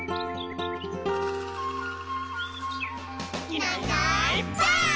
「いないいないばあっ！」